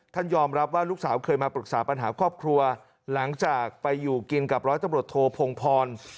ยอมรับว่าลูกสาวเคยมาปรึกษาปัญหาครอบครัวหลังจากไปอยู่กินกับร้อยตำรวจโทพงพร